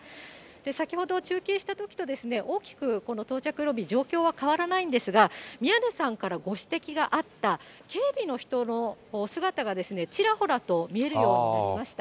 先ほど中継したときと大きくこの到着ロビー、状況は変わらないんですが、宮根さんからご指摘があった警備の人の姿がちらほらと見えるようになりました。